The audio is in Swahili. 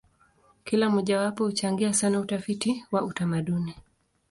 Kila mojawapo huchangia sana utafiti wa utamaduni.